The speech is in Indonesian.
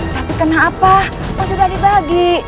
tapi kenapa kok sudah dibagi